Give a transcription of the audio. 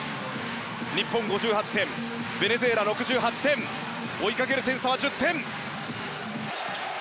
日本、５８点ベネズエラ、６８点追いかける点差は１０点。